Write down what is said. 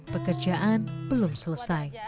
pekerjaan belum selesai